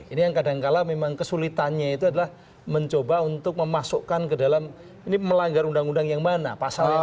ini yang kadangkala memang kesulitannya itu adalah mencoba untuk memasukkan ke dalam ini melanggar undang undang yang mana pasalnya